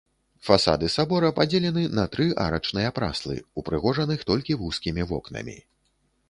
Фасады сабора падзелены на тры арачныя праслы, упрыгожаных толькі вузкімі вокнамі.